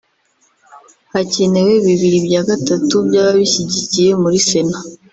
hakenewe bibiri bya gatatu by'ababishyigikiye muri sena